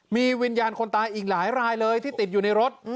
มีวิญญาณคนตายอีกหลายรายเลยที่ติดอยู่ในรถ